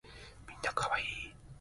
みんな可愛い